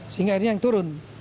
sehingga ini yang turun